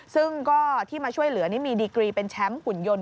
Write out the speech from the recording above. ซึ่งก็ที่มาช่วยเหลือนี่มีดีกรีเป็นแชมป์หุ่นยนต์